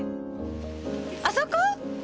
あそこ？